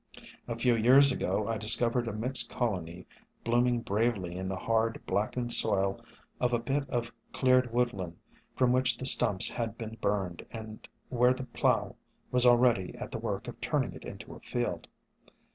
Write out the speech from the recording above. A few years ago I discovered a mixed colony blooming bravely in the hard, blackened soil of a bit of cleared woodland from which the stumps had been burned and where the plow was already at the work of turning it into a field.